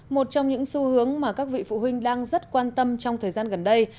một trong những xu hướng mà các vị phụ huynh đang rất quan tâm trong thời gian gần đây